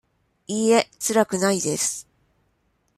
いいえ、辛くないです。